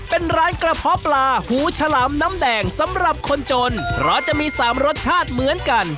เป็นร้านกระเพาะปลาหูฉลามน้ำแดงสำหรับคนจนเพราะจะมีสามรสชาติเหมือนกัน